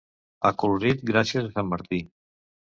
Acolorit gràcies a sant Martí.